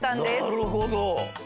なるほど！